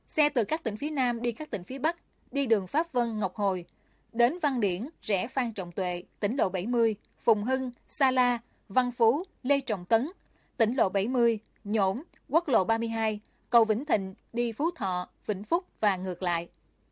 xe từ các tỉnh phía nam đi các tỉnh phía bắc đi đường pháp vân ngọc hồi đến văn điển rẽ phan trọng tuệ tỉnh lộ bảy mươi phùng hưng sa la văn phú lê trọng tấn tỉnh lộ bảy mươi nhổn quốc lộ ba mươi hai cầu vĩnh thịnh đi phú thọ vĩnh phúc và ngược lại